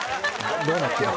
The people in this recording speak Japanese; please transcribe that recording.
どうなってる？